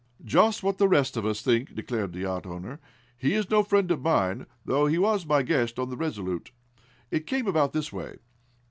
"Just what the rest of us think," declared the yacht owner. "He is no friend of mine, though he was my guest on the RESOLUTE. It came about in this way.